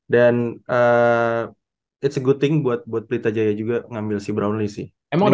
dan it s a good thing buat pelita jaya juga ngambil si brownlee sih